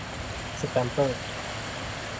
สแตมเปอร์